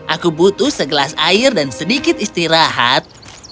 aku butuh segelas air dan sedikit istirahat